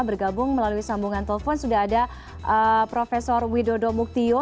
bergabung melalui sambungan telepon sudah ada prof widodo muktio